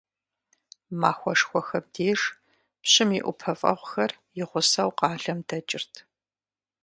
Махуэшхуэхэм деж пщым и ӀупэфӀэгъухэр и гъусэу къалэм дэкӀырт.